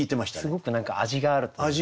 すごく何か味があるというか。